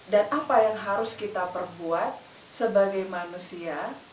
dan apa yang harus kita perbuat sebagai manusia